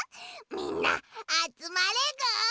みんなあつまれぐ！